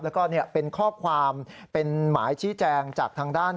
แล้วก็เป็นข้อความเป็นหมายชี้แจงจากทางด้าน